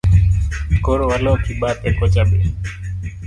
Koro waloki bathe kocha be?